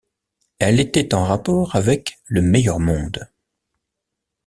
Elle était en rapport avec « le meilleur monde ».